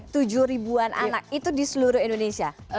tujuh ribuan anak itu di seluruh indonesia